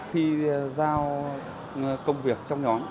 khi giao công việc trong nhóm